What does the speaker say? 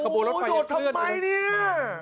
โอ้โหโดดทำไมเนี่ย